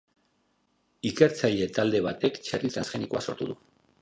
Ikertzaile talde batek txerri transgenikoa sortu du.